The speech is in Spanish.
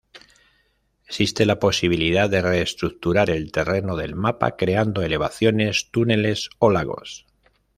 Existe la posibilidad de reestructurar el terreno del mapa, creando elevaciones, túneles o lagos.